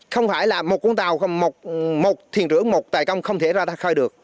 không phải là một con tàu một thiền rưỡi một tài công không thể ra khai được